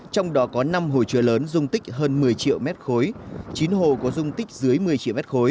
trong đó có năm hồ chứa lớn dung tích hơn một mươi triệu m ba chín hồ có dung tích dưới một mươi triệu m ba